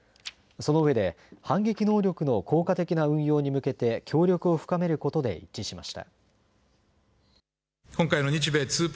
そのうえで反撃能力の効果的な運用に向けて協力を深めることで一致しました。